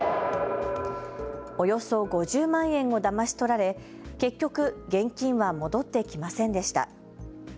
およそ５０万円をだまし取られ結局、現金は戻ってきませんでした。